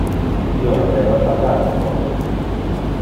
Io habeva pagate hodie.